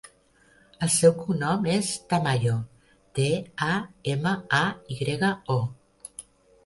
El seu cognom és Tamayo: te, a, ema, a, i grega, o.